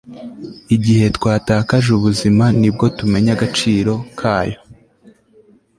igihe twatakaje ubuzima ni bwo tumenya agaciro kayo